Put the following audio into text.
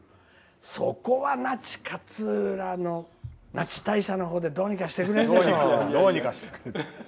そこは那智勝浦の那智大社の方でどうにかしてくれるでしょう。